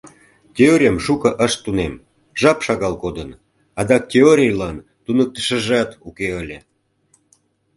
Теорийым шуко ышт тунем, жап шагал кодын, адак теорийлан туныктышыжат уке ыле.